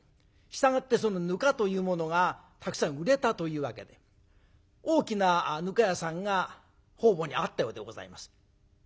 従ってぬかというものがたくさん売れたというわけで大きなぬか屋さんが方々にあったようでございます。